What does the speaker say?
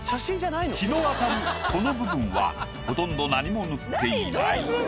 日の当たるこの部分はほとんど何も塗っていない。